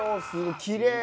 きれい！